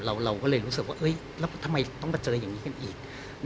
เราก็เลยรู้สึกว่าแล้วทำไมต้องมาเจออย่างนี้กันอีก